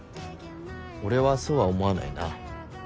俺はそうは思わないな。